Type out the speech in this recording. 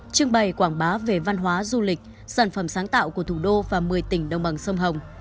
trưng bày quảng bá về văn hóa du lịch sản phẩm sáng tạo của thủ đô và một mươi tỉnh đồng bằng sông hồng